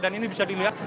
dan ini bisa dilihat